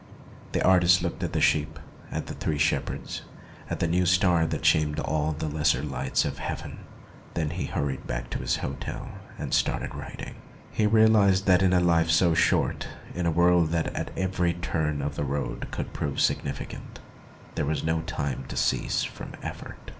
The artist looked at the sheep, at the three shepherds, at the new star that shamed all the lesser lights of heaven. Then he hurried back to his hotel, and started writing. He realized that in a life so short, in a world that at every turn of the road 260 MONOLOGUES could prove significant, there was no time to cease from effort.